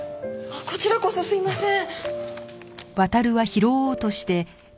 こちらこそすいません。